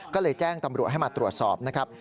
ก็เลยแจ้งตำรวจให้มาตรวจสอบนะครับ